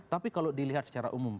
tapi kalau dilihat secara umum